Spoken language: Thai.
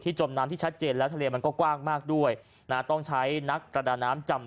จมน้ำที่ชัดเจนแล้วทะเลมันก็กว้างมากด้วยนะต้องใช้นักประดาน้ำจำ